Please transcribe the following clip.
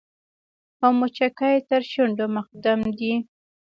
او مچکې تر شونډو مقدم دې